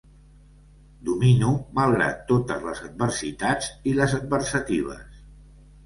Domino malgrat totes les adversitats i les adversatives.